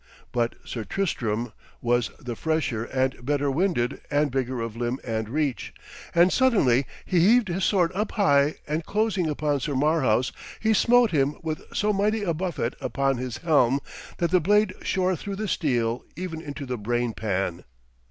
But Sir Tristram was the fresher and better winded and bigger of limb and reach; and suddenly he heaved his sword up high, and closing upon Sir Marhaus he smote him with so mighty a buffet upon his helm that the blade shore through the steel even into the brain pan.